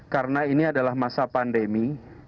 karena ini adalah masa pandemi